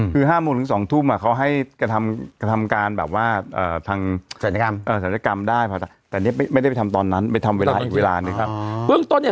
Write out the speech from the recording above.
คือ๕โมงถึง๒ทุ่มอะเขาให้กระทำการแบบว่าทาง